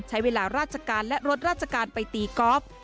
ใช้เวลาราชการและรถราชการไปตีกอล์ฟ